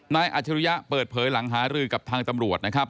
อัจฉริยะเปิดเผยหลังหารือกับทางตำรวจนะครับ